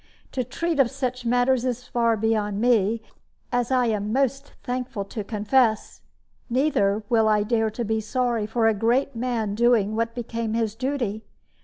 To treat of such matters is far beyond me, as I am most thankful to confess. Neither will I dare to be sorry for a great man doing what became his duty.